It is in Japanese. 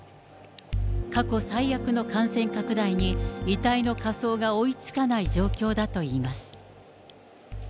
過去最悪の感染拡大に、遺体の火葬が追いつかない状況だといいます。